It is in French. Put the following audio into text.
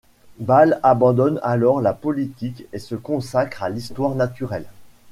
Ball abandonne alors la politique et se consacre à l’histoire naturelle.